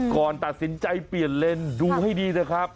ก่อนตัดสินใจเปลี่ยนเลนส์ดูให้ดีนะครับ